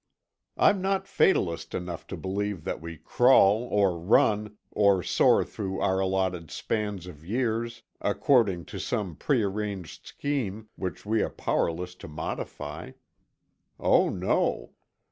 I'm not fatalist enough to believe that we crawl or run or soar through our allotted span of years according to some prearranged scheme which we are powerless to modify. Oh, no!